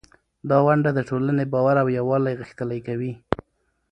دا ونډه د ټولنې باور او یووالی غښتلی کوي.